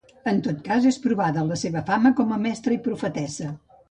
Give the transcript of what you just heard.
En tot cas, és provada la seva fama com a mestra i profetessa.